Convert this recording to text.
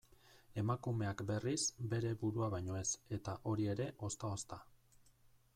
Emakumeak, berriz, bere burua baino ez, eta hori ere ozta-ozta.